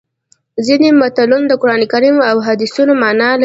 ځینې متلونه د قرانکریم او احادیثو مانا لري